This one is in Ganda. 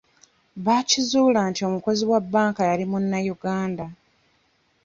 Bakizuula nti omukozi wa bbanka yali munnayuganda.